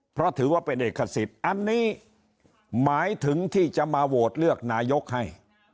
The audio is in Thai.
เพราะถือว่าเป็นเอกสิทธิ์อันนี้หมายถึงที่จะมาโหวตเลือกนายกให้